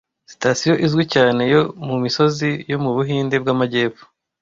sitasiyo izwi cyane yo mu misozi yo mu Buhinde bw'Amajyepfo,